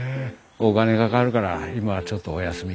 お金かかるから今はちょっとお休み。